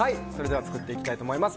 作っていきたいと思います。